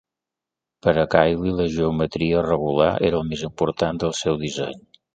Per a Kiley, la geometria regular era el més important del seu disseny.